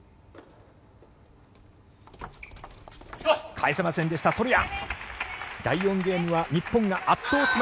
返せませんでした、ソルヤ。